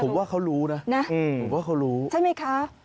ผมว่าเขารู้นะใช่ไหมคะ